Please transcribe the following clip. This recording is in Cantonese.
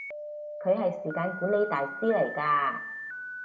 佢係時間管理大師嚟㗎